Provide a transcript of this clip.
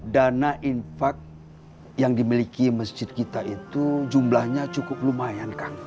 dana infak yang dimiliki masjid kita itu jumlahnya cukup lumayan kang